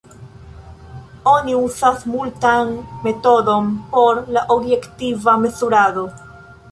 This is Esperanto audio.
Oni uzas multan metodon por la objektiva mezurado.